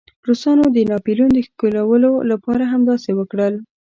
روسانو د ناپلیون د ښکېلولو لپاره همداسې وکړل.